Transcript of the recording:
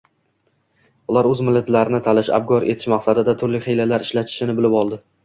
ular o'zga millatlarni talash, abgor etish maqsadida turli hiylalar ishlatishini bilib oldi.